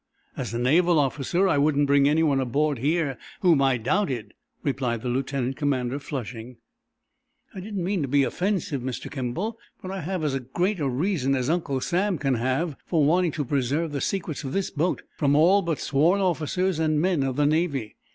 "As a naval officer I wouldn't bring anyone aboard here whom I doubted," replied the lieutenant commander, flushing. "I didn't mean to be offensive, Mr. Kimball. But I have as great a reason as Uncle Sam can have for wanting to preserve the secrets of this boat from all but sworn officers and men of the Navy.